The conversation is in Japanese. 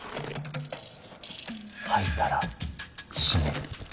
吐いたら締める。